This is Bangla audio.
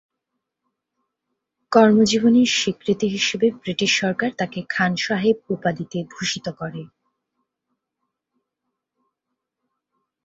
কর্মজীবনের স্বীকৃতি হিসেবে ব্রিটিশ সরকার তাকে খান সাহেব উপাধিতে ভূষিত করে।